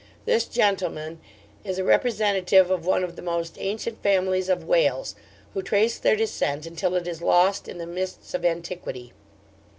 This gentleman is a representative of one of the most ancient families of Wales, who trace their descent until it is lost in the mists of antiquity.